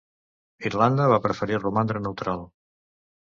Irlanda va preferir romandre neutral.